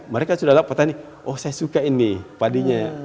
mereka sudah dapat petani oh saya suka ini padinya